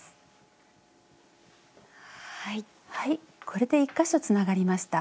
これで１か所つながりました。